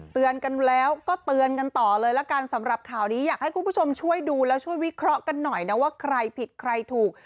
เตือนกันแล้วก็เตือนกันต่อเลยละกันสำหรับข่าวนี้อยากให้คุณผู้ชมช่วยดูแล้วช่วยวิเคราะห์กันหน่อยนะว่าใครผิดใครถูก